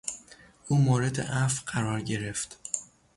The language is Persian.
او مورد عفو قرار گرفت.